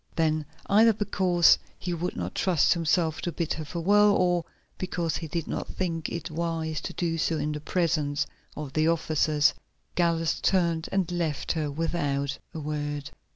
Then, either because he would not trust himself to bid her farewell, or because he did not think it wise to do so in the presence of the officers, Gallus turned and left her without a word.